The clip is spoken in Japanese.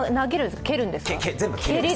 全部蹴るんです。